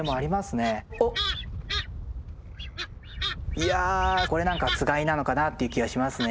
いやこれ何かつがいなのかなっていう気はしますね。